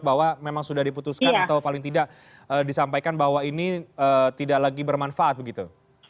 bahwa memang sudah diputuskan atau paling tidak disampaikan bahwa ini tidak lagi bermanfaat begitu